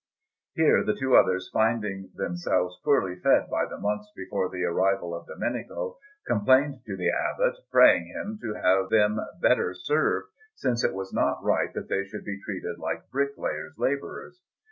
Here the two others, finding themselves poorly fed by the monks before the arrival of Domenico, complained to the Abbot, praying him to have them better served, since it was not right that they should be treated like bricklayers' labourers.